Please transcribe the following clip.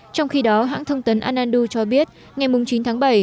trong khi đó hãng thông tấn anandu cho biết ngày chín tháng bảy